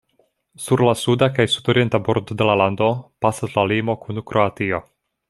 Sur la suda kaj sudorienta bordo de la lando pasas la limo kun Kroatio.